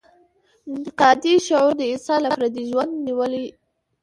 انتقادي شعور د انسان له فردي ژوند نېولې.